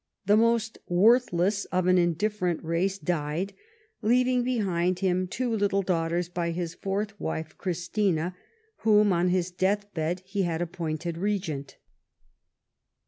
the most worthless of an indifferent race, died, leaving behind him two little daughters by his fourth wife, Christina, whom on his death bed he had appointed Regent.